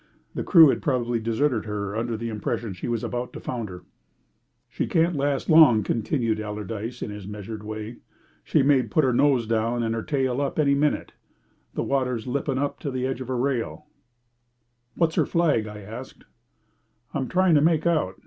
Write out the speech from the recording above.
The crew had probably deserted her under the impression that she was about to founder. "She can't last long," continued Allardyce, in his measured way. "She may put her nose down and her tail up any minute. The water's lipping up to the edge of her rail." "What's her flag?" I asked. "I'm trying to make out.